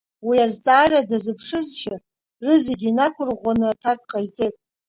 Уи азҵаара дазыԥшызшәа резогьы инақәырӷәӷәаны аҭак ҟаиҵеит.